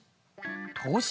投資？